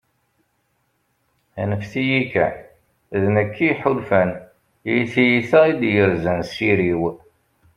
anfet-iyi kan, d nekk i yeḥulfan, i tyita i d-yerzan s iri-w